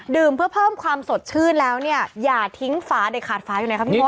เพื่อเพิ่มความสดชื่นแล้วเนี่ยอย่าทิ้งฝาเด็ดขาดฝาอยู่ไหนครับพี่มด